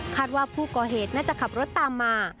ว่าผู้ก่อเหตุน่าจะขับรถตามมา